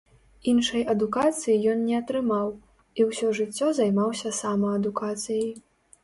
Іншай адукацыі ён не атрымаў, і ўсё жыццё займаўся самаадукацыяй.